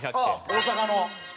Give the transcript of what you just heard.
大阪の。